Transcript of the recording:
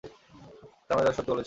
তার মানে তারা সত্যি বলেছিল?